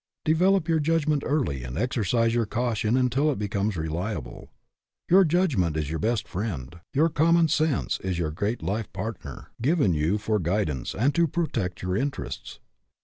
Develop your judgment early and exercise your caution until it becomes reliable. Your judgment is your best friend; your common sense is your great life partner, given you for 58 FREEDOM AT ANY COST guidance and to protect your interests.